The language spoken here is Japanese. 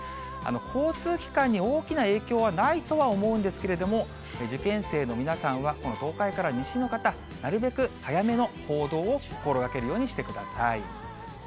交通機関に大きな影響はないとは思うんですけれども、受験生の皆さんは、この東海から西の方、なるべく早めの行動を心がけるようにしてください。